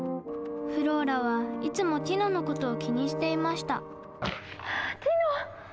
フローラはいつもティノのことを気にしていましたティノ！